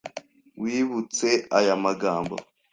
wibutse aya magambo: